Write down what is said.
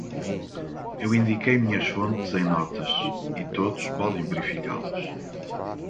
Eu indiquei minhas fontes em notas, e todos podem verificá-las.